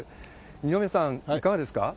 二宮さん、いかがですか？